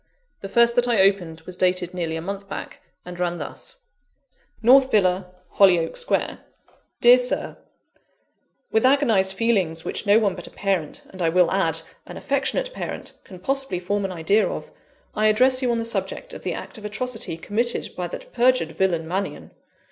The first that I opened was dated nearly a month back, and ran thus: "North Villa, Hollyoake Square. "DEAR SIR, "With agonised feelings which no one but a parent, and I will add, an affectionate parent, can possibly form an idea of, I address you on the subject of the act of atrocity committed by that perjured villain, Mannion.